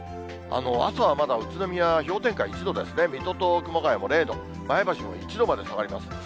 朝はまだ、宇都宮は氷点下１度ですね、水戸と熊谷は０度、前橋も１度まで下がります。